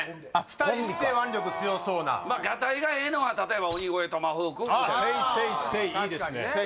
二人して腕力強そうながたいがええのは例えば鬼越トマホークセイセイセイいいですね